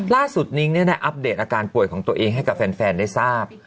นิ้งได้อัปเดตอาการป่วยของตัวเองให้กับแฟนได้ทราบ